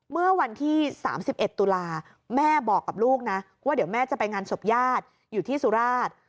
เมื่อวันที่๓๑ตุลาแม่บอกกับลูกนะว่าเดี๋ยวแม่จะไปงานศพญาติอยู่ที่สุราช